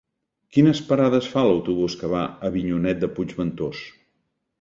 Quines parades fa l'autobús que va a Avinyonet de Puigventós?